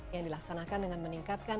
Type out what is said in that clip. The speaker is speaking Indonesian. yang dilaksanakan dengan meningkatkan